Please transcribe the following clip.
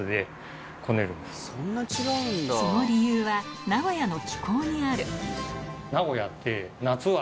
その理由は名古屋の気候にある名古屋って。